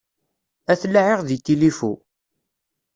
Ad t-laɛiɣ deg tilifu.